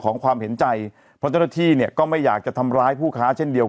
ความเห็นใจเพราะเจ้าหน้าที่เนี่ยก็ไม่อยากจะทำร้ายผู้ค้าเช่นเดียว